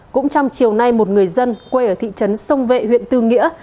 cũng trong chiều nay một người dân quê ở thị trấn sông vệ huyện tư nghĩa